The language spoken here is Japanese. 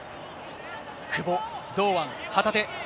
久保、堂安、旗手。